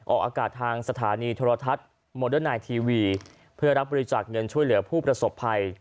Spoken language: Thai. ออกอากาศทางสถานีโทรทัศน์โมเดอร์นายทีวีเพื่อรับบริจาคเงินช่วยเหลือผู้ประสบภัย